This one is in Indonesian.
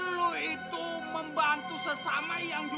lo tau sih kak